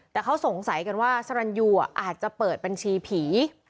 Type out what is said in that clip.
แต่เขาสงสัยกันว่าสรรยูอาจจะเปิดบัญชีผี